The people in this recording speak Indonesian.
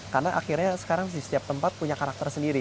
karena akhirnya sekarang di setiap tempat punya karakter sendiri